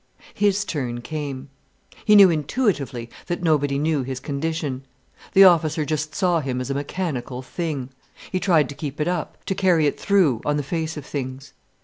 His turn came. He knew intuitively that nobody knew his condition. The officer just saw him as a mechanical thing. He tried to keep it up, to carry it through on the face of things.